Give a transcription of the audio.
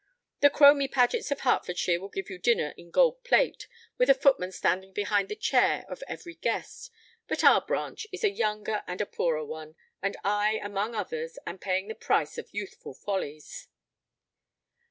The Cromie Pagets of Hertfordshire will give you dinner in gold plate, with a footman standing behind the chair of every guest; but our branch is a younger and a poorer one, and I, among others, am paying the price of youthful follies."